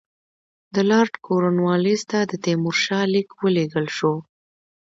د لارډ کورنوالیس ته د تیمورشاه لیک ولېږل شو.